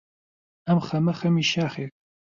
ئەم خەمە خەمی شاخێکە،